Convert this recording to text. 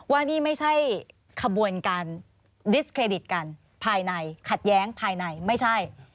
ว่านี่ไม่ใช่ขบวนการคัดแย้งกันภายในไม่ใช่